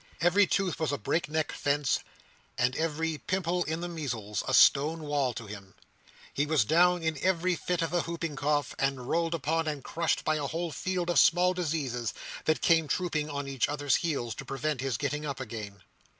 Every tooth was a break neck fence, and every pimple in the measles a stone wall to him. He was down in every fit of the hooping cough, and rolled upon and crushed by a whole field of small diseases, that came trooping on each other's heels to prevent his getting up again.